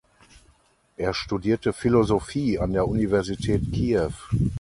Er studierte Philosophie an der Universität Kiew.